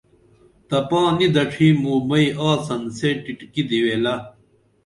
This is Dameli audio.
تپا نی دڇھی موں بئیں آڅن سے ٹٹکی دِویلہ